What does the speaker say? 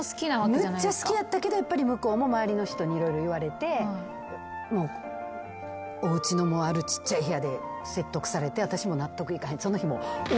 むっちゃ好きやったけどやっぱり向こうも周りの人に色々言われておうちのあるちっちゃい部屋で説得されて私も納得いかへんその日もう。